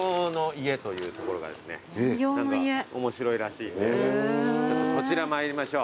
何か面白いらしいんでそちらまいりましょう。